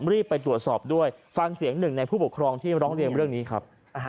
รีบไปตรวจสอบด้วยฟังเสียงหนึ่งในผู้ปกครองที่ร้องเรียนเรื่องนี้ครับ